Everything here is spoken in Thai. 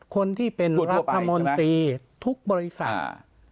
คนที่เป็นรัฐมนตรีทุกบริษัท